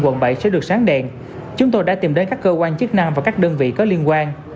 quận bảy sẽ được sáng đèn chúng tôi đã tìm đến các cơ quan chức năng và các đơn vị có liên quan